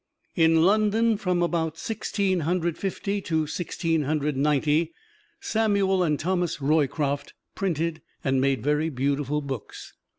In London, from about Sixteen Hundred Fifty to Sixteen Hundred Ninety, Samuel and Thomas Roycroft printed and made very beautiful books.